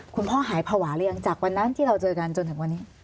คุณพ่อหายภาวะหรือยังจากวันนั้นที่เราเจอกันจนถึงวันนี้